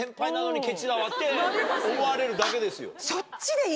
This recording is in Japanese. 思われるだけですよ。